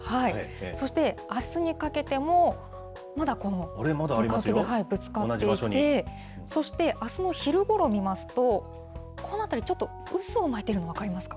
そして、あすにかけても、まだこの辺りでぶつかっていて、そしてあすの昼ごろを見ますと、この辺り、ちょっと渦を巻いてるの分かりますか？